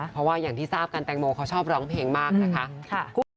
เพราะว่าอย่างที่ทราบกันแตงโมเขาชอบร้องเพลงมากนะคะ